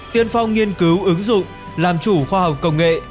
tiên phong nghiên cứu ứng dụng làm chủ khoa học công nghệ